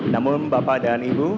namun bapak dan ibu